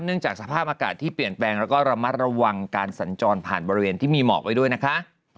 จากสภาพอากาศที่เปลี่ยนแปลงแล้วก็ระมัดระวังการสัญจรผ่านบริเวณที่มีหมอกไว้ด้วยนะคะ